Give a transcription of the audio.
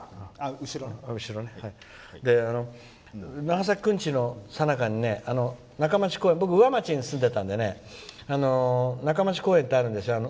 長崎くんちのさなかに僕、上町に住んでたので中町公園ってあるんですよ。